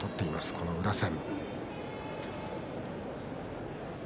この宇良戦。